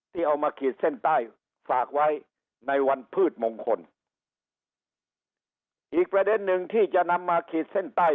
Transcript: เอามาขีดเส้นใต้ฝากไว้ในวันพืชมงคลอีกประเด็นหนึ่งที่จะนำมาขีดเส้นใต้